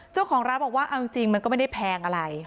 เจ้าของร้านบอกว่าเอาจริงมันก็ไม่ได้แพงอะไร